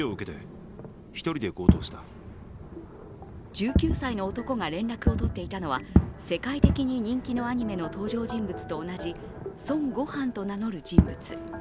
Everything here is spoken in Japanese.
１９歳の男が連絡を取っていたのは世界的に人気のアニメの登場人物と同じ、孫悟飯と名乗る人物。